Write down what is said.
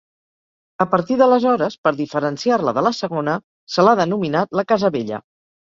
A partir d'aleshores, per diferenciar-la de la segona, se l'ha denominat la Casa Vella.